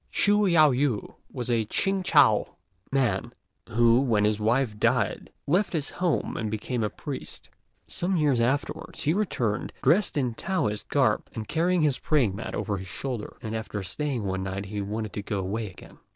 Chü Yao ju was a Ch'ing chou man, who, when his wife died, left his home and became a priest. Some years afterwards he returned, dressed in the Taoist garb, and carrying his praying mat over his shoulder; and after staying one night he wanted to go away again.